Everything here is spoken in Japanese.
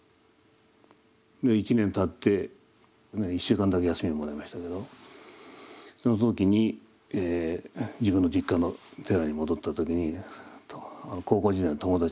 で１年たって１週間だけ休みをもらいましたけどその時に自分の実家の寺に戻った時に高校時代の友達がね